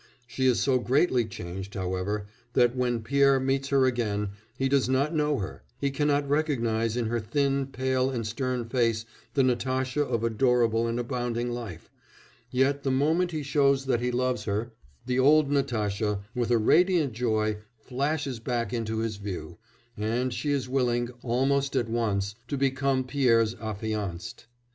She is so greatly changed, however, that, when Pierre meets her again, he does not know her; he cannot recognise in her thin, pale, and stern face the Natasha of adorable and abounding life; yet the moment he shows that he loves her, the old Natasha, with her radiant joy, flashes back into his view, and she is willing, almost at once, to become Pierre's affianced.